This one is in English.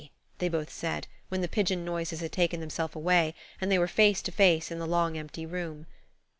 they both said, when the pigeon noises had taken themselves away, and they were face to face in the long, empty room.